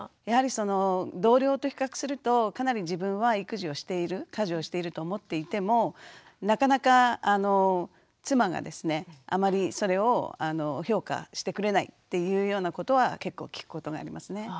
やはりその同僚と比較するとかなり自分は育児をしている家事をしていると思っていてもなかなか妻がですねあまりそれを評価してくれないっていうようなことは結構聞くことがありますね。